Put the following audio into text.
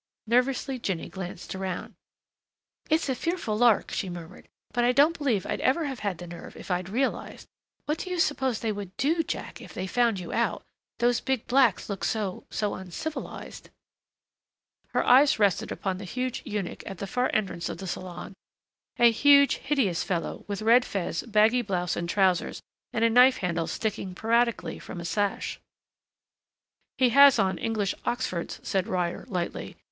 Nervously Jinny glanced around. "It's a fearful lark," she murmured, "but I don't believe I'd ever have had the nerve if I'd realized.... What do you suppose they would do, Jack, if they found you out?... Those big blacks look so so uncivilized." Her eyes rested upon the huge eunuch at the far entrance of the salon, a huge hideous fellow, with red fez, baggy blouse and trousers, and a knife handle sticking piratically from a sash. "He has on English oxfords," said Ryder lightly.